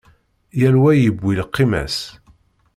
Yal wa yewwi lqima-s.